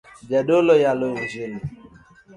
Jadolo yalo injili